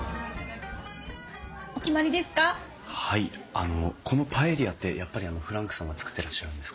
あのこのパエリアってやっぱりフランクさんが作ってらっしゃるんですか？